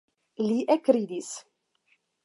Li ekridis.